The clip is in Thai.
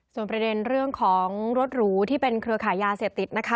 ส่วนประเด็นเรื่องของรถหรูที่เป็นเครือขายยาเสพติดนะคะ